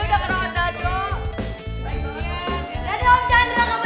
mas chandra makasih udah ngerok ngerok